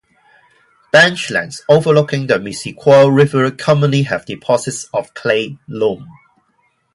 Benchlands overlooking the Missisquoi River commonly have deposits of clay loam.